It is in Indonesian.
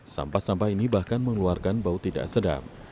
sampah sampah ini bahkan mengeluarkan bau tidak sedap